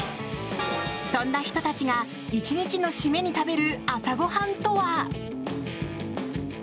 そんな人たちが１日の締めに食べる朝ご飯とは？